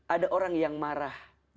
ada orang yang marah